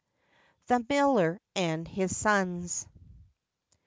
THE MILLER AND HIS SONS.